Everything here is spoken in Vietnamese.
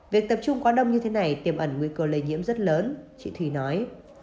việc tập trung quá đông như thế này tiềm ẩn nguy cơ lây nhiễm rất lớn chị thùy nói